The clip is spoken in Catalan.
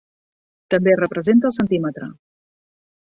També representa el centímetre.